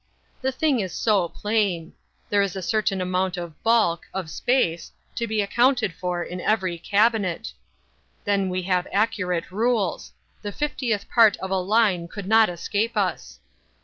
The thing is so plain. There is a certain amount of bulk—of space—to be accounted for in every cabinet. Then we have accurate rules. The fiftieth part of a line could not escape us.